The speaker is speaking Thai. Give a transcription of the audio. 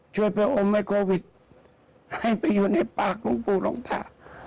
ช่วยไปอมให้โควิดให้ไปอยู่ในปากหลวงปู่รองเท้า